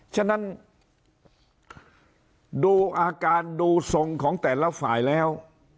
ฉะนั้นดูอาการดูทรงของแต่ละฝ่ายแล้ว